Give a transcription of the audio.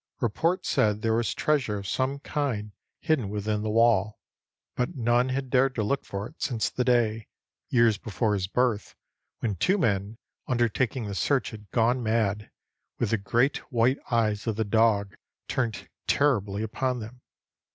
Report said there was treasure of some kind hidden within the wall; but none had dared to look for it since the day, years before his birth, when two men undertaking the search had gone mad, with the great white eyes of the dog turned terribly upon them.